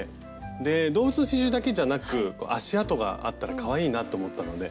で動物の刺しゅうだけじゃなく足あとがあったらかわいいなと思ったので。